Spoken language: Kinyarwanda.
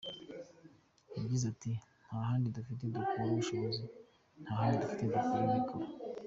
Yagize ati « Nta handi dufite dukura ubushobozi nta handi dufite dukura amikoro.